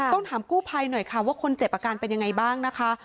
ต้องถามกู้ภัยหน่อยค่ะว่าคนเจ็บอาการเป็นยังไงบ้างนะคะ